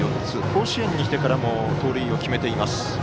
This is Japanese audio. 甲子園に来てからも盗塁を決めています。